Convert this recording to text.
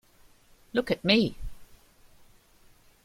Look at me!